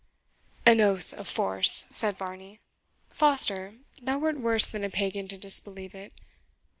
"An oath of force," said Varney. "Foster, thou wert worse than a pagan to disbelieve it.